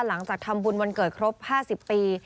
หลังจากทำบุญวันเกิดครบ๕๐ปี